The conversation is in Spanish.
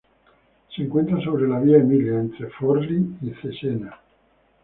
Se encuentra sobre la Vía Emilia, entre Forlì y Cesena.